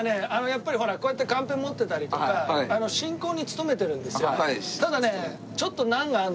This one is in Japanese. やっぱりほらこうやってカンペ持ってたりとか進行に務めてるんですよ。